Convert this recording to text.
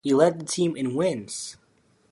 He led the team in wins.